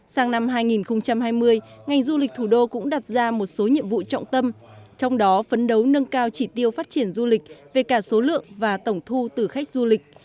sang năm hai nghìn hai mươi ngành du lịch thủ đô cũng đặt ra một số nhiệm vụ trọng tâm trong đó phấn đấu nâng cao chỉ tiêu phát triển du lịch về cả số lượng và tổng thu tử khách du lịch